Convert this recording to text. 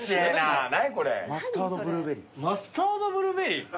マスタードブルーベリー？